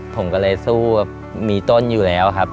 ผมก็เลยสู้มีต้นอยู่แล้วครับ